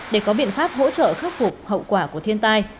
để có biện pháp hỗ trợ khắc phục hậu quả của thiên tai